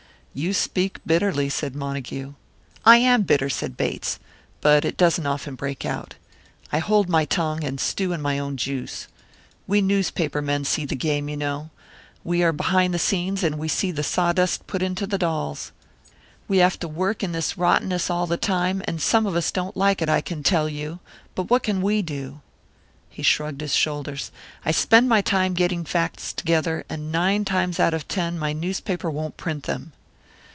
"You speak bitterly," said Montague. "I am bitter," said Bates. "But it doesn't often break out. I hold my tongue, and stew in my own juice. We newspaper men see the game, you know. We are behind the scenes, and we see the sawdust put into the dolls. We have to work in this rottenness all the time, and some of us don't like it, I can tell you. But what can we do?" He shrugged his shoulders. "I spend my time getting facts together, and nine times out of ten my newspaper won't print them."